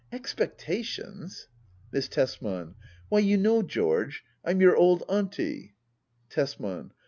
Expectations ? Miss Tesman. Why you know, George — I'm your old auntie ! Tesman.